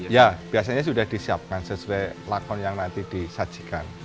ya biasanya sudah disiapkan sesuai lakon yang nanti disajikan